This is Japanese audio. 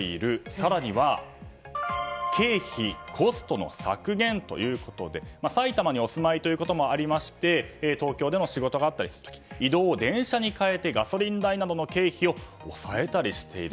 更にはコストの削減ということで埼玉にお住まいということもありまして東京での仕事があったりする時移動を電車に変えてガソリン代などの経費を抑えたりしている。